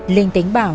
linh tính bảo